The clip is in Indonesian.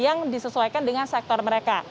yang disesuaikan dengan sektor mereka